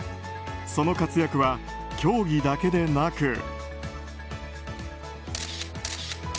その活躍は、競技だけでなく。